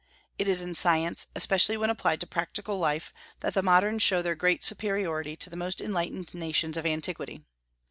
It is in science, especially when applied to practical life, that the moderns show their great superiority to the most enlightened nations of antiquity.